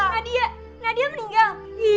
nadia nadia meninggal